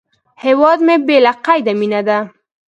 هیواد مې بې له قیده مینه ده